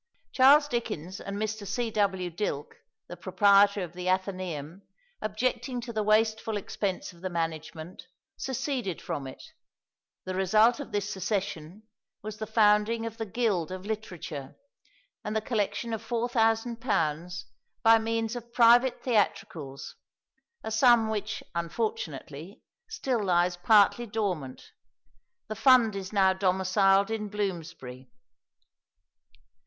Charles Dickens and Mr. C. W. Dilke, the proprietor of the Athenæum, objecting to the wasteful expense of the management, seceded from it; the result of this secession was the founding of the Guild of Literature, and the collection of £4000 by means of private theatricals a sum which, unfortunately, still lies partly dormant. The Fund is now domiciled in Bloomsbury.